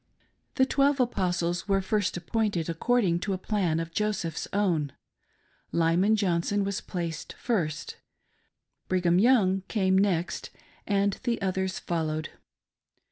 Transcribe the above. The "Twelve Apostles" were first ap pointed according to a plan of Joseph's own — Lyman Johnson was placed first, Brigham Young came next, and the others followed.